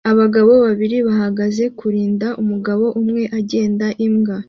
Abagabo babiri bahagaze kurinda umugabo umwe agenda imbwa